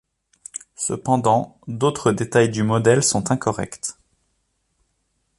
Cependant, d'autres détails du modèle sont incorrects.